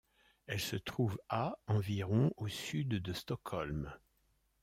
Elle se trouve à environ au sud de Stockholm.